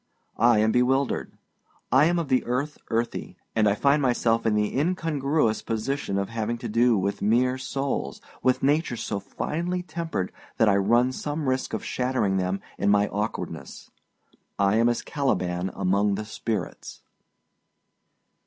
I am bewildered. I am of the earth earthy, and I find myself in the incongruous position of having to do with mere souls, with natures so finely tempered that I run some risk of shattering them in my awkwardness. I am as Caliban among the spirits!